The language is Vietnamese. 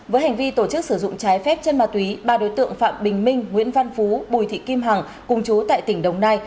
với hành vi tổ chức sử dụng trái phép chân ma túy ba đối tượng phạm bình minh nguyễn văn phú bùi thị kim hằng cùng chú tại tỉnh đồng nai